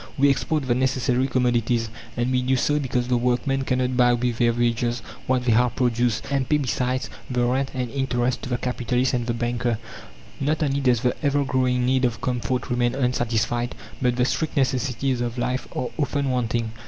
We export the necessary commodities. And we do so, because the workmen cannot buy with their wages what they have produced, and pay besides the rent and interest to the capitalist and the banker. Not only does the ever growing need of comfort remain unsatisfied, but the strict necessities of life are often wanting.